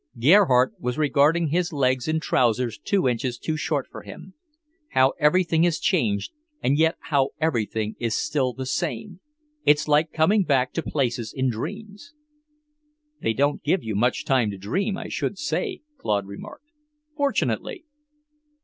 Gerhardt was regarding his legs in trousers two inches too short for him. "How everything has changed, and yet how everything is still the same! It's like coming back to places in dreams." "They don't give you much time to dream, I should say!" Claude remarked. "Fortunately!"